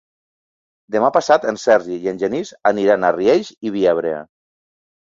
Demà passat en Sergi i en Genís aniran a Riells i Viabrea.